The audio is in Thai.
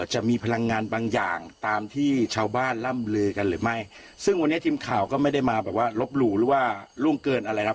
จะมีพลังงานบางอย่างตามที่ชาวบ้านล่ำลือกันหรือไม่ซึ่งวันนี้ทีมข่าวก็ไม่ได้มาแบบว่าลบหลู่หรือว่าล่วงเกินอะไรครับ